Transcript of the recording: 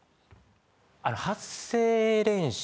あの発声練習。